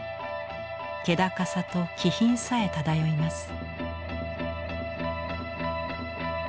気高さと気品さえ漂います。